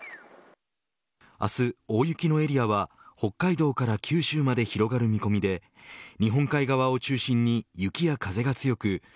明日、大雪のエリアは北海道から九州まで広がる見込みで日本海側を中心に雪や風が強く